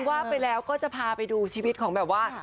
ว่าไปแล้วก็จะพาไปดูชีวิตของแบบว่า